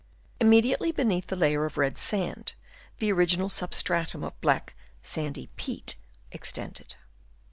Immediately beneath the layer of red sand, the original substratum of black sandy peat extended.